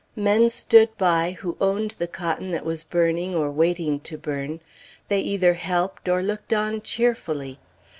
Men stood by who owned the cotton that was burning or waiting to burn. They either helped, or looked on cheerfully.